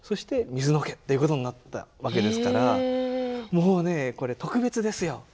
もうねこれ特別ですよ。